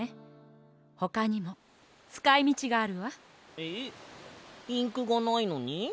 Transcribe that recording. えっインクがないのに？